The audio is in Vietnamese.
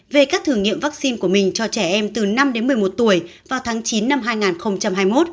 về các thử nghiệm vaccine của mình cho trẻ em từ năm đến một mươi một tuổi vào tháng chín năm hai nghìn hai mươi một